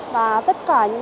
và tất cả những